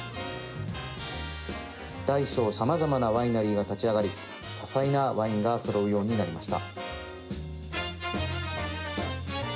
大小さまざまなワイナリーが立ち上がり多彩なワインがそろうようになりました。